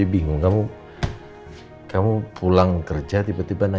bapak selalu terjagok jagor